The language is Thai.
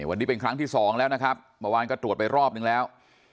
วันนี้เป็นครั้งที่สองแล้วนะครับเมื่อวานก็ตรวจไปรอบนึงแล้ว